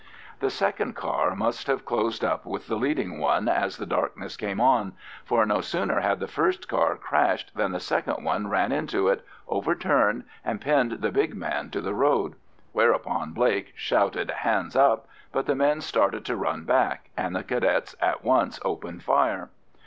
The second car must have closed up with the leading one as the darkness came on, for no sooner had the first car crashed than the second one ran into it, overturned, and pinned the big man to the road; whereupon Blake shouted hands up, but the men started to run back, and the Cadets at once opened fire.